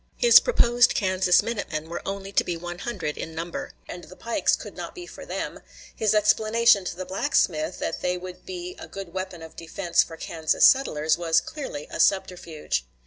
His proposed Kansas minute men were only to be one hundred in number, and the pikes could not be for them; his explanation to the blacksmith, that they would be a good weapon of defense for Kansas settlers, was clearly a subterfuge.